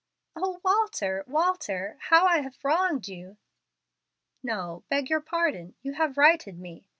"O Walter, Walter! how I have wronged you!" "No, beg your pardon, you have righted me.